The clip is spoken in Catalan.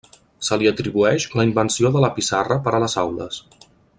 Se li atribueix la invenció de la pissarra per a les aules.